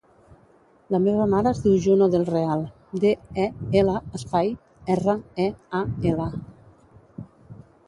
La meva mare es diu Juno Del Real: de, e, ela, espai, erra, e, a, ela.